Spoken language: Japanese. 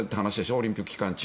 オリンピック期間中。